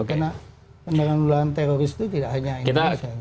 karena penerangan luluhan teroris itu tidak hanya indonesia